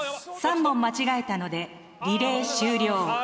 ３問間違えたのでリレー終了。